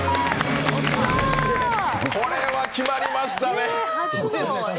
これは決まりましたね。